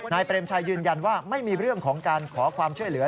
เปรมชัยยืนยันว่าไม่มีเรื่องของการขอความช่วยเหลือ